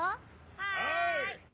はい。